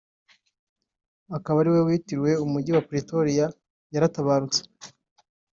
akaba ari nawe witiriwe umujyi wa Pretoria yaratabarutse